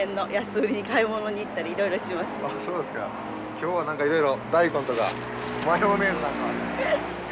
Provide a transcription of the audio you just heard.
今日は何かいろいろ大根とかマヨネーズなんかもありますね。